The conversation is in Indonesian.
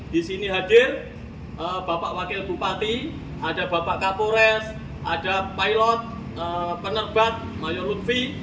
di sini hadir bapak wakil bupati ada bapak kapolres ada pilot penerbat mayor lutfi